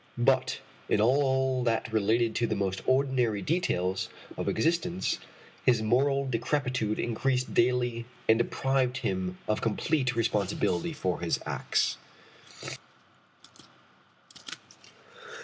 But in all that related to the most ordinary details of existence his moral decrepitude increased daily and deprived him of complete responsibility for his acts.